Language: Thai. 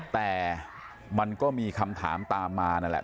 แต่มันก็มีคำถามตามมานั่นแหละ